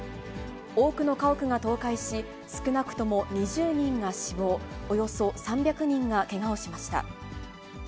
多くの家屋が倒壊し、少なくとも２０人が死亡、およそ３００人がけがをしました。